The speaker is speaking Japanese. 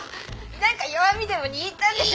何か弱みでも握ったんでしょ。